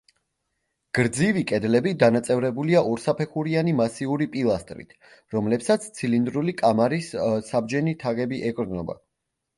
გრძივი კედლები დანაწევრებულია ორსაფეხურიანი მასიური პილასტრით, რომლებსაც ცილინდრული კამარის საბჯენი თაღები ეყრდნობა.